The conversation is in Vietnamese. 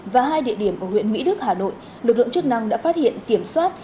và hai địa điểm ở huyện mỹ đức hà nội lực lượng chức năng đã phát hiện kiểm soát